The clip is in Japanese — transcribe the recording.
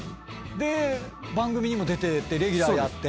で番組にも出ててレギュラーやって。